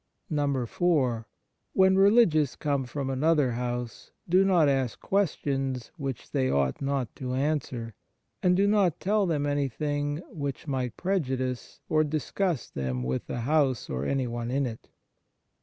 (4) When religious come from another house do not ask questions which they ought not to answer, and do not tell them anything which might prejudice or disgust them with the house or anyone in it.